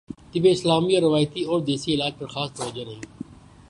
طب اسلامی اور روایتی اور دیسی علاج پرخاص توجہ نہیں